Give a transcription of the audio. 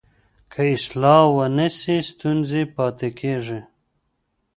که اصلاح ونه سي ستونزې پاتې کېږي.